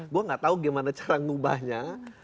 gue gak tau gimana cara ngubahnya